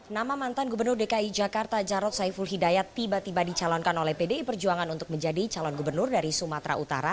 nama mantan gubernur dki jakarta jarod saiful hidayat tiba tiba dicalonkan oleh pdi perjuangan untuk menjadi calon gubernur dari sumatera utara